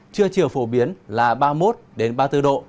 trưa chiều phổ biến là ba mươi một ba mươi bốn độ